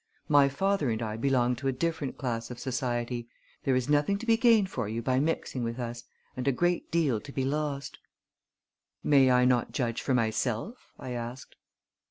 My father and I belong to a different class of society. There is nothing to be gained for you by mixing with us, and a great deal to be lost." "May I not judge for myself?" I asked.